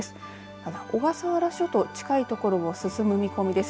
ただ小笠原諸島近いところ進む見込みです。